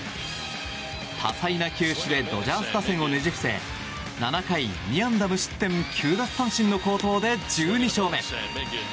多彩な球種でドジャース打線をねじ伏せ７回２安打無失点９奪三振の好投で１２勝目。